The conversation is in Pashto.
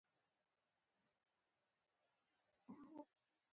د سندرغاړو د غږ لپاره باید څه شی وخورم؟